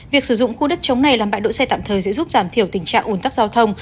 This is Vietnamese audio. việc sử dụng khu đất chống này làm bãi đỗ xe tạm thời sẽ giúp giảm thiểu tình trạng ồn tắc giao thông